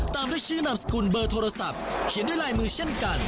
ตามด้วยชื่อนามสกุลเบอร์โทรศัพท์เขียนด้วยลายมือเช่นกัน